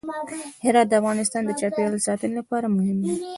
هرات د افغانستان د چاپیریال ساتنې لپاره مهم دی.